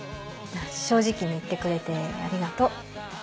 正直に言ってくれてありがとう。